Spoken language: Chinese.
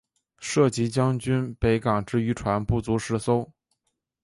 设籍将军北港之渔船不足十艘。